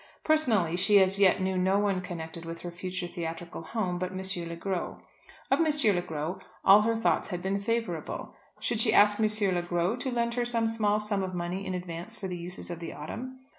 Personally she as yet knew no one connected with her future theatrical home but M. Le Gros. Of M. Le Gros all her thoughts had been favourable. Should she ask M. Le Gros to lend her some small sum of money in advance for the uses of the autumn?